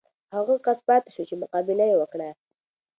هغه کس پاتې شو چې مقابله یې وکړه.